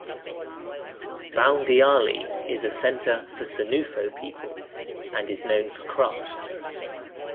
Boundiali is a centre for Senoufo people and is known for crafts.